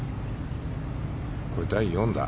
これ、第４打。